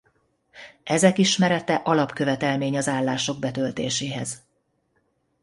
Ezek ismerete alapkövetelmény az állások betöltéséhez.